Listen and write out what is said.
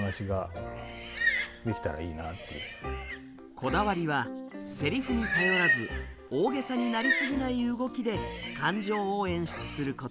こだわりはセリフに頼らず大げさになりすぎない動きで感情を演出すること。